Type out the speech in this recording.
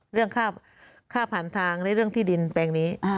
เรื่องค่าผ่านทางและเรื่องที่ดินแปลงนี้